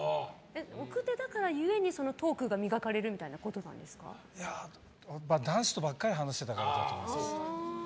奥手だから故にトークが磨かれる男子とばっかり話してたからだと思います。